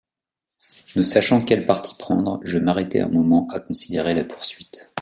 Ne sachant quel parti prendre, je m'arrêtai un moment à considérer la poursuite.